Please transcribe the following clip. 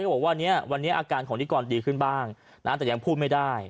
บอกว่าเนี่ยวันนี้อาการของนิกรดีขึ้นบ้างนะแต่ยังพูดไม่ได้